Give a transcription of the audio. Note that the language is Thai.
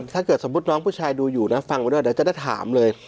ถ้าเกิดสมมุติน้องผู้ชายดูอยู่นะฟังไว้ด้วยเดี๋ยวจะได้ถามเลย